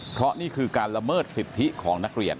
เพราะนี่คือการละเมิดสิทธิของนักเรียน